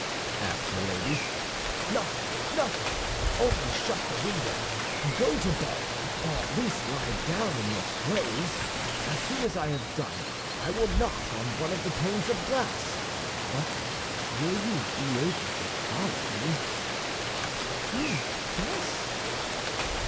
asked Milady. "Nothing, nothing, only shut the window. Go to bed, or at least lie down in your clothes. As soon as I have done I will knock on one of the panes of glass. But will you be able to follow me?" "Oh, yes!"